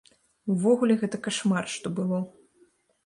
Увогуле, гэта кашмар, што было.